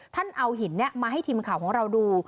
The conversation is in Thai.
ท่านเอาหินนี้มาให้ทีมข่าวของเราดู